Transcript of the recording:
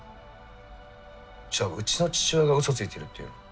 じゃあうちの父親がウソついてるって言うの？